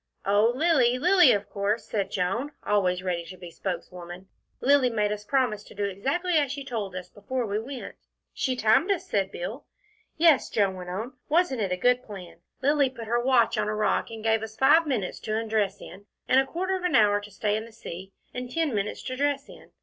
"Oh, Lilly. Lilly, of course," said Joan, always ready to be spokeswoman. "Lilly made us promise to do exactly as she told us before we went." "She timed us," said Bill. "Yes," Joan went on, "wasn't it a good plan? Lilly put her watch on a rock and gave us five minutes to undress in, and a quarter of an hour to stay in the sea, and ten minutes to dress in.